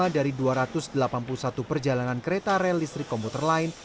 lima dari dua ratus delapan puluh satu perjalanan kereta rel listrik komputer lain